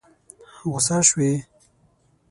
غوسه شوې؟